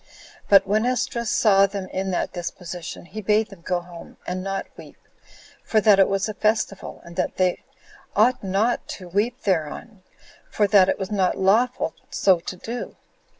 But when Esdras saw them in that disposition, he bade them go home, and not weep, for that it was a festival, and that they ought not to weep thereon, for that it was not lawful so to do.